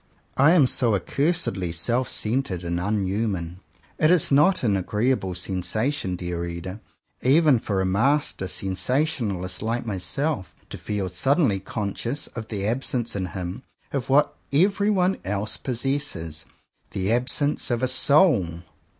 I am so accursedly self centred and 171 CONFESSIONS OF TWO BROTHERS unhuman ! It is not an agreeable sensation, dear reader, even for a master sensationalist like myself, to feel suddenly conscious of the absence in him of what everyone else possesses — the absence of a soul